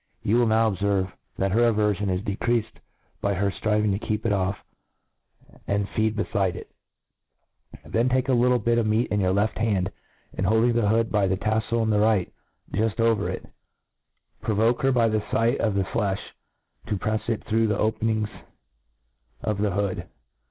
You will now obferve, that her averfion is decreafed by her ftriving to keep it off, and feed befide it; Then take a little bit of meat in .your left hand^ and holding the hood by .the taffel in the right juil over it, provoke her by the fight of : the flefh to prefs to it through the openings of the hood.